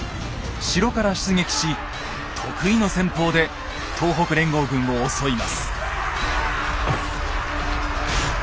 城から出撃し得意の戦法で東北連合軍を襲います。